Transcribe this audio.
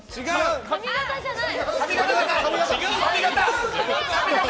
髪形じゃない？